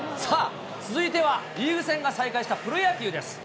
続いてはリーグ戦が再開したプロ野球です。